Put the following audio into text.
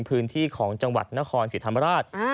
พื้นที่ของจังหวัดนครศรีธรรมราช